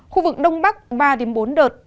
khu vực đông bắc ba đến bốn đợt